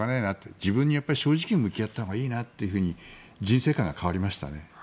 自分に正直に向き合ったほうがいいなって人生観が変わりましたね。